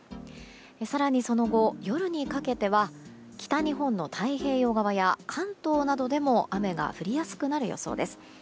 更にその後、夜にかけては北日本の太平洋側や関東などでも雨が降りやすくなる予想です。